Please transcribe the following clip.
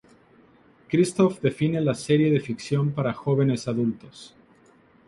Kristoff define la serie de ficción para jóvenes adultos.